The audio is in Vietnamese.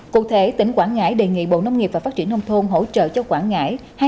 cụ thể tỉnh quảng ngãi đề nghị bộ nông nghiệp và phát triển nông thôn hỗ trợ cho quảng ngãi